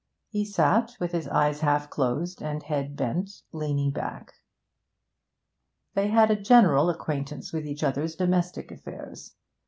He sat with his eyes half closed and head bent, leaning back. They had a general acquaintance with each other's domestic affairs.